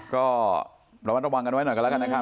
ก็ระมัดระวังกันไว้หน่อยกันแล้วกันนะครับ